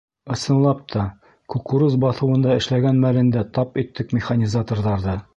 Ысынлап та, кукуруз баҫыуында эшләгән мәлендә тап иттек механизаторҙарҙы.